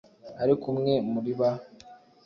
Ariko umwe muri ba